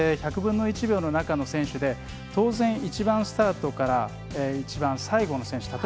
１００分の１秒の中の選手で当然、１番スタートから一番最後の選手。